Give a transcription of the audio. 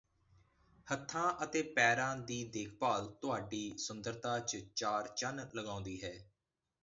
ਹੱਥਾਂ ਅਤੇ ਪੈਰਾਂ ਦੀ ਦੇਖਭਾਲ ਤੁਹਾਡੀ ਸੁੰਦਰਤਾ ’ਚ ਚਾਰ ਚੰਨ ਲਗਾਉਂਦੀ ਹੈ